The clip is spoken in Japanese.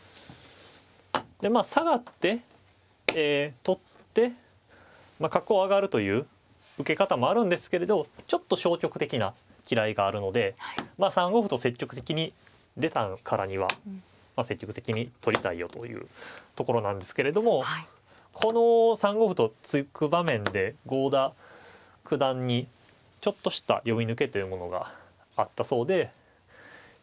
でまあ下がって取って角を上がるという受け方もあるんですけれどちょっと消極的なきらいがあるのでまあ３五歩と積極的に出たからにはまあ積極的に取りたいよというところなんですけどもこの３五歩と突く場面で郷田九段にちょっとした読み抜けというものがあったそうでえ